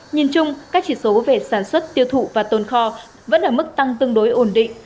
nhìn chung các chỉ số về sản xuất tiêu thụ và tồn kho vẫn ở mức tăng tương đối ổn định